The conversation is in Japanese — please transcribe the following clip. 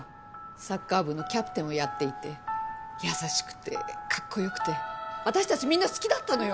サッカー部のキャプテンをやっていて優しくてかっこよくて私達みんな好きだったのよ。